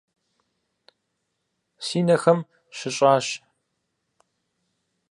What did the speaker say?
Си нэхэм щыщӏащ.